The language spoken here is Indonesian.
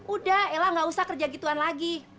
udah ella gak usah kerja gituan lagi